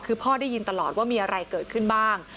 คือพ่อได้ยินตลอดว่ามีอะไรเกิดขึ้นบ้าง